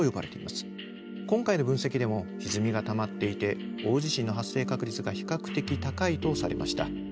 今回の分析でもひずみがたまっていて大地震の発生確率が比較的高いとされました。